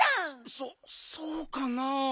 そっそうかなあ。